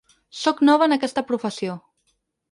Sóc nova en aquesta professió.